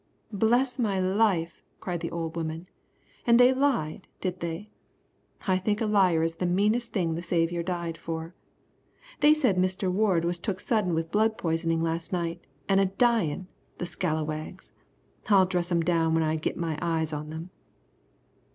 "Bless my life," cried the old woman, "an' they lied, did they? I think a liar is the meanest thing the Saviour died for. They said Mister Ward was took sudden with blood poison last night, an' a dyin', the scalawags! I'll dress 'em down when I git my eyes on 'em."